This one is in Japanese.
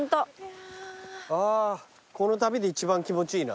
あぁこの旅で一番気持ちいいな。